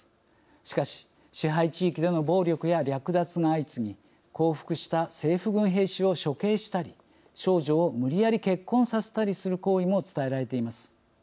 しかし支配地域での暴力や略奪が相次ぎ降伏した政府軍兵士を処刑したり少女を無理やり結婚させたりする行為も伝えられています。